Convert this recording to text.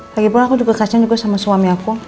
lagipun aku juga kasih sama suami aku